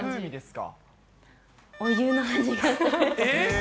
お湯の味がする。